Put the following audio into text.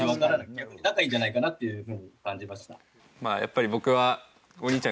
逆に仲いいんじゃないかなっていう風に感じました。